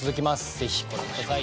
ぜひご覧ください。